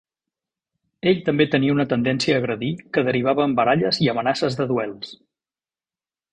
Ell també tenia una tendència a agredir que derivava en baralles i amenaces de duels.